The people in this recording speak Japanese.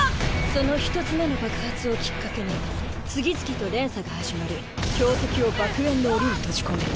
その１つ目の爆発をきっかけに次々と連鎖が始まり標的を爆炎の檻に閉じ込める。